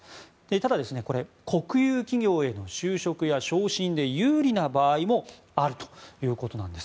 ただ、国有企業への就職や昇進で有利な場合もあるということなんです。